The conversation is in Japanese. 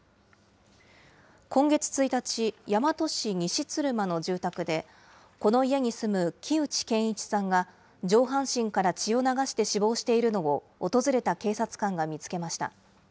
今月１日、大和市西鶴間の住宅で、この家に住む木内健一さんが、上半身から血を流して死亡しているのを訪れた警察官が見つけました。